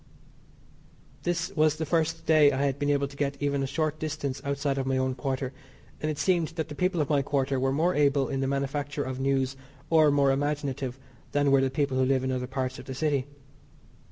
This was the first day I had been able to get even a short distance outside of my own quarter, and it seemed that the people of my quarter were more able in the manufacture of news or more imaginative than were the people who live in other parts of the city.